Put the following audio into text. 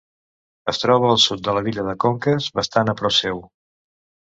Es troba al sud de la vila de Conques, bastant a prop seu.